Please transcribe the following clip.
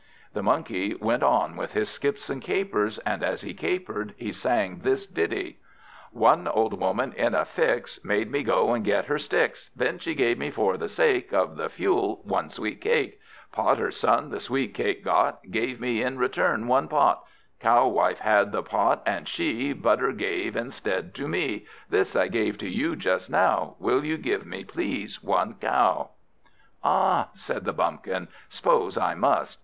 The Monkey went on with his skips and capers, and as he capered, he sang this ditty: "One old Woman, in a fix, Made me go and get her sticks; Then she gave me, for the sake Of the fuel, one sweet cake. Potter's son the sweet cake got, Gave me, in return, one pot. Cow wife had the pot, and she Butter gave instead to me. This I gave to you just now: Will you give me, please, one cow?" "Ah," said the Bumpkin, "'spose I must."